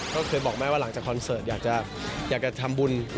ก็เคยบอกแม่ว่าหลังจากคอนเสิร์ตอยากจะทำบุญ